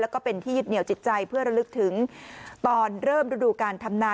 แล้วก็เป็นที่ยึดเหนียวจิตใจเพื่อระลึกถึงตอนเริ่มฤดูการทำนา